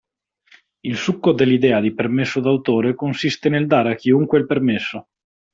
Il succo dell'idea di permesso d'autore consiste nel dare a chiunque il permesso.